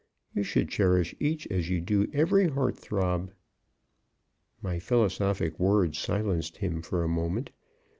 You should cherish each as you do every heart throb." My philosophic words silenced him for a moment.